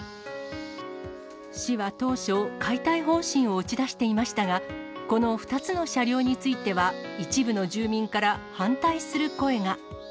市は当初、解体方針を打ち出していましたが、この２つの車両については、一部の住民から反対する声が。